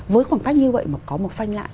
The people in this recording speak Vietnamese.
với khoảng cách như vậy mà có một phanh lại